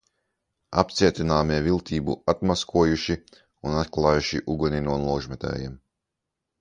Apcietināmie viltību atmaskojuši un atklājuši uguni no ložmetējiem.